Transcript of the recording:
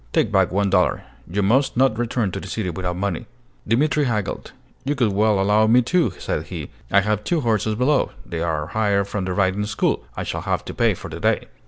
"Take back one dollar. You must not return to the city without money." Dimitri haggled. "You could well allow me two," said he: "I have two horses below; they are hired from the riding school; I shall have to pay for the day."